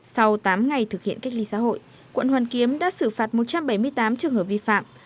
sau tám ngày thực hiện cách ly xã hội quận hoàn kiếm đã xử phạt một trăm bảy mươi tám trường hợp vi phạm